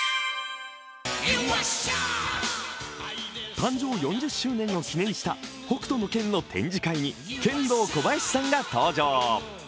誕生４０周年を記念した「北斗の拳」の展示会にケンドーコバヤシさんが登場。